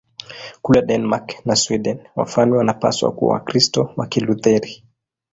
Kule Denmark na Sweden wafalme wanapaswa kuwa Wakristo wa Kilutheri.